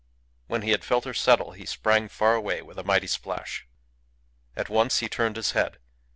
When he had felt her settle he sprang far away with a mighty splash. At once he turned his head.